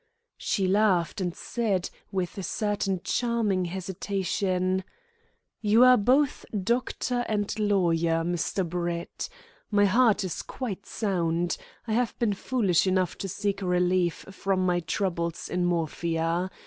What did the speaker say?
She laughed, and said, with a certain charming hesitation: "You are both doctor and lawyer, Mr. Brett. My heart is quite sound. I have been foolish enough to seek relief from my troubles in morphia.